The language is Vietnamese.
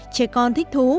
trẻ con thích thú